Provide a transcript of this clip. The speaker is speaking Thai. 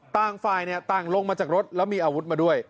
ต่างฝ่ายต่างลงมาจากรถแล้วมีอาวุธมาด้วย